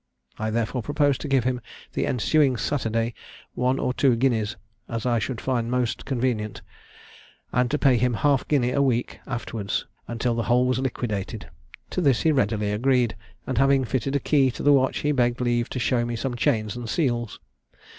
I therefore proposed to give him the ensuing Saturday one or two guineas, as I should find most convenient, and to pay him half a guinea a week afterwards, until the whole was liquidated. To this he readily agreed, and, having fitted a key to the watch, he begged leave to show me some chains and seals.